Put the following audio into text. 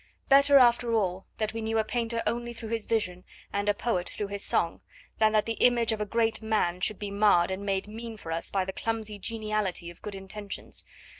Better, after all, that we knew a painter only through his vision and a poet through his song, than that the image of a great man should be marred and made mean for us by the clumsy geniality of good intentions.